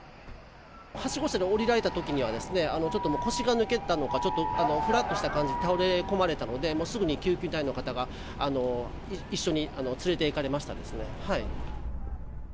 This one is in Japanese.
はしご車で降りられたときは、ちょっともう腰が抜けてたのか、ちょっとふらっとした感じで倒れ込まれたので、もうすぐに救急隊員の方が一緒に連れていかれましたですね。